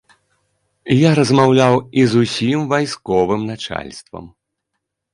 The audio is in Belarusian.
Я размаўляў і з усім вайсковым начальствам.